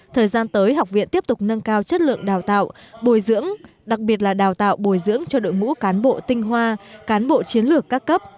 thời gian tới học viện tiếp tục nâng cao chất lượng đào tạo bồi dưỡng đặc biệt là đào tạo bồi dưỡng cho đội ngũ cán bộ tinh hoa cán bộ chiến lược các cấp